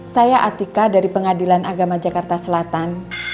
saya atika dari pengadilan agama jakarta selatan